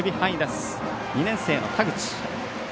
２年生の田口。